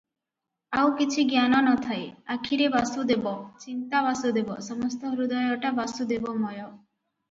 ଆଉ କିଛି ଜ୍ଞାନ ନଥାଏ – ଆଖିରେ ବାସୁଦେବ, ଚିନ୍ତା ବାସୁଦେବ, ସମସ୍ତ ହୃଦୟଟା ବାସୁଦେବମୟ ।